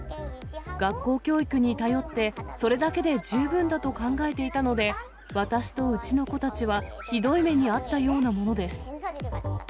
学校教育に頼って、それだけで十分だと考えていたので、私とうちの子たちはひどい目に遭ったようなものです。